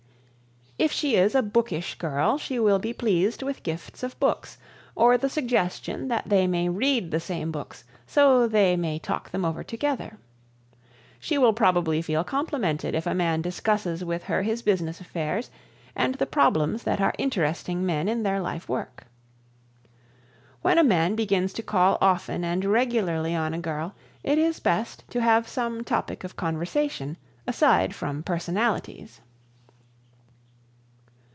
If she is a bookish girl she will be pleased with gifts of books or the suggestion that they may read the same books so they may talk them over together. She will probably feel complimented if a man discusses with her his business affairs and the problems that are interesting men in their life work. When a man begins to call often and regularly on a girl it is best to have some topic of conversation aside from personalities.